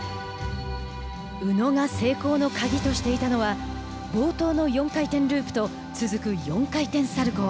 宇野が成功の鍵としていたのは冒頭の４回転ループと続く４回転サルコー。